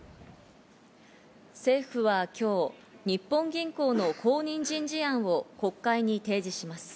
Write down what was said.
政府は今日、日本銀行の後任人事案を国会に提示します。